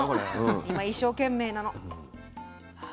今一生懸命なの。